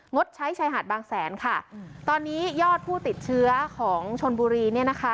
ดใช้ชายหาดบางแสนค่ะตอนนี้ยอดผู้ติดเชื้อของชนบุรีเนี่ยนะคะ